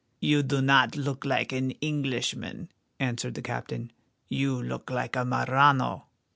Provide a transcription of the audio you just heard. "You do not look like an Englishman," answered the captain; "you look like a Marano."